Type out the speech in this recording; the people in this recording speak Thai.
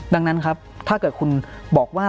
ดังนั้นครับถ้าเกิดคุณบอกว่า